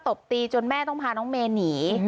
ตบตีจนแม่ต้องพาน้องเมย์หนี